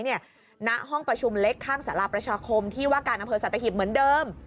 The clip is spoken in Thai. ในห้องประชุมเล็กศาลาประชาคมที่ว่าการทำเฟิร์นสัตยาหิบเหมือนเดิม